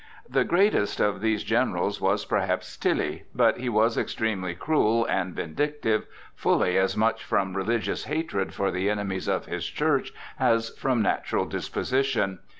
The greatest of these generals was perhaps Tilly, but he was extremely cruel and vindictive, fully as much from religious hatred for the enemies of his church as from natural disposition.